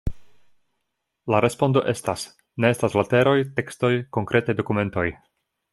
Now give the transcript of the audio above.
La respondo estas: ne estas leteroj, tekstoj, konkretaj dokumentoj.